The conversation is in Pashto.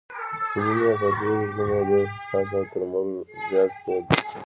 ځینې یې پوهېږي، ځینې یې ډېر حساس او تر موږ زیات پوه دي.